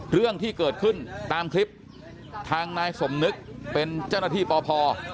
เรื่องที่เกิดขึ้นตามคลิปทางนายสมนึกเป็นเจ้าหน้าที่ปพ